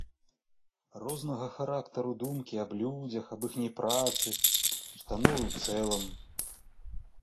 Рознага характару думкі аб людзях, аб іхняй працы, установы ў цэлым.